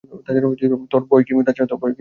তাছাড়া তোর ভয় কী মতি?